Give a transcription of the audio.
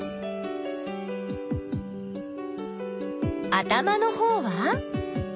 頭のほうは？